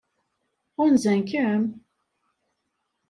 Ɣunzan-kem?